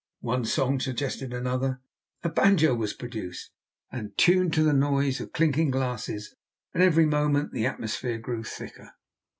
One song suggested another; a banjo was produced, and tuned to the noise of clinking glasses; and every moment the atmosphere grew thicker.